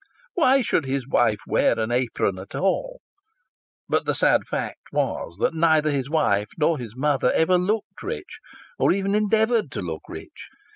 Why should his wife wear an apron at all? But the sad truth was that neither his wife nor his mother ever looked rich, or even endeavoured to look rich.